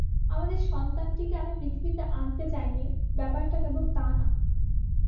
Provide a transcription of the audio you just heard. আমাদের সন্তানটিকে আমি পৃথিবীতে আনতে চাইনি, ব্যাপারটা কেবল তা না।